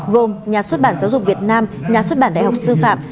gồm nhà xuất bản giáo dục việt nam nhà xuất bản đại học sư phạm